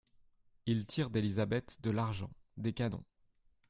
Il tire d'Élisabeth de l'argent, des canons.